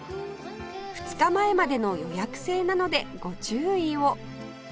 ２日前までの予約制なのでご注意を